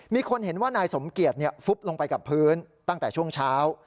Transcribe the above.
มีคนเห็นว่านายสมเกียจฟุบลงไปกับพื้นตั้งแต่ช่วงเช้า